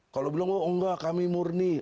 kalau bilang oh enggak kami murni